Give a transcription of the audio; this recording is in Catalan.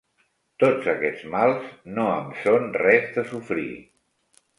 Tots aquests mals no em són res de sofrir.